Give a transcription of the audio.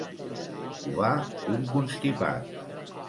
Covar un constipat.